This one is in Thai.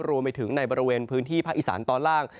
รวมไปถึงในบริเวณพื้นที่ภาคอีสานตอนล่าง